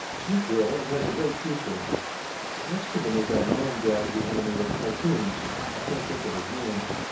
Sweet girl, and has a great future ! Next to them is that man draws the animated cartoons I can't think of his name.